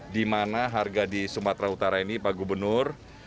di mana harga di sumatera utara ini pak gubernur